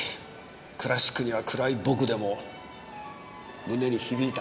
クラシックには暗い僕でも胸に響いた。